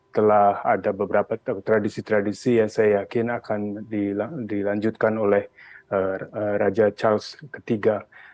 telah ada beberapa tradisi tradisi yang saya yakin akan dilanjutkan oleh raja charles iii